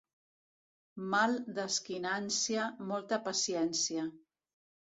Mal d'esquinància, molta paciència.